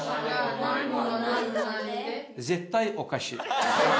絶対おかしい。